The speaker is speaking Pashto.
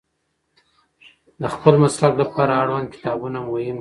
د خپل مسلک لپاره اړوند کتابونه مهم دي.